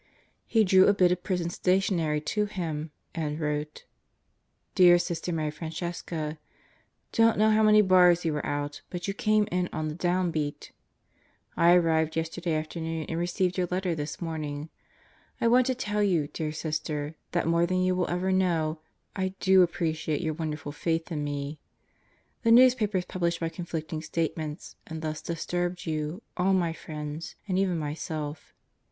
He drew a bit of prison stationery to him and wrote: Dear Sister Mary Francesca: Don't know how many bars you were out, but you came in on the down beat! I arrived yesterday afternoon and received your letter this morning. I want to tell you, dear Sister, that more than you will ever know, I do appreciate your wonderful faith in me. ... The newspapers published my conflicting statements and thus disturbed you, all my friends, and even myself.